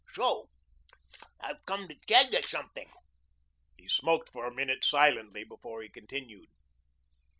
So I've come to tell you something." He smoked for a minute silently before he continued.